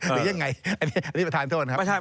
หรือยังไงอันนี้ประธานโทษนะครับ